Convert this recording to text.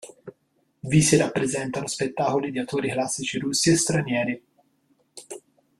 Vi si rappresentano spettacoli di autori classici russi e stranieri.